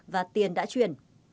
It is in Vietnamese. và tiền đã chuyển